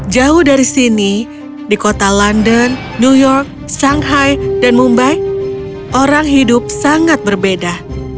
jauh dari sini di kota london new york shanghai dan mumbai orang hidup sangat berbeda